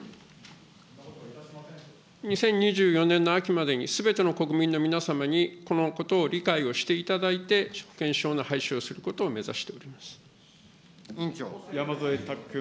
２０２４年の秋までにすべての国民の皆様にこのことを理解をしていただいて、保険証の廃止を山添拓君。